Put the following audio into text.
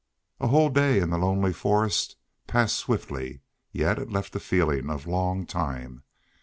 A whole day in the lonely forest passed swiftly, yet it left a feeling of long time.